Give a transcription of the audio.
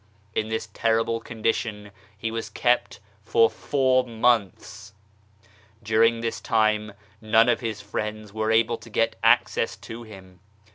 In this terrible condition he was kept for four months. During this time none of his friends were able to get access to him.